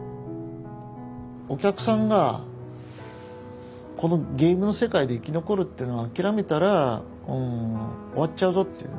お客さんがこのゲームの世界で生き残るっていうのを諦めたらうん終わっちゃうぞっていう。